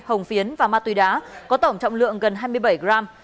hồng phiến và ma túy đá có tổng trọng lượng gần hai mươi bảy gram